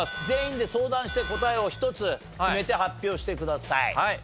全員で相談して答えを１つ決めて発表してください。